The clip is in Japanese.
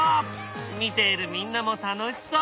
見ているみんなも楽しそう。